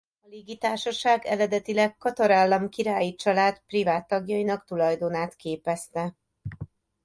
A légitársaság eredetileg Katar Állam királyi család privát tagjainak tulajdonát képezte.